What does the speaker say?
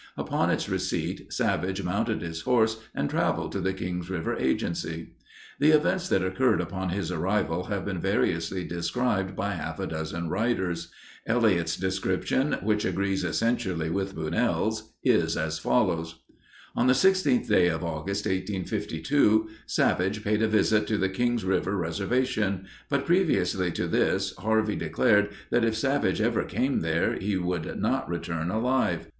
Upon its receipt, Savage mounted his horse and traveled to the Kings River Agency. The events that occurred upon his arrival have been variously described by half a dozen writers. Elliott's description, which agrees essentially with Bunnell's, is as follows: On the 16th day of August, 1852, Savage paid a visit to the Kings River Reservation, but previously to this Harvey declared that if Savage ever came there he would not return alive.